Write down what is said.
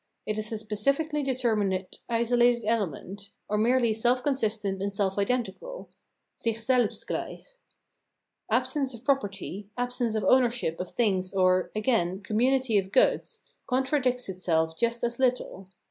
It is a specifically determinate isolated element, or merely self consistent and self identical {sick selhst gleicli). Absence of pro perty, absence of ownership of things or, again, com munity of goods, contradicts itself just as little.